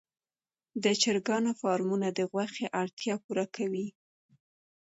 د چرګانو فارمونه د غوښې اړتیا پوره کوي.